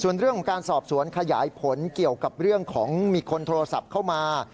ส่วนเรื่องของการสอบสวนขยายผลเกี่ยวกับเรื่องของมีคนโทรศัพท์เข้ามา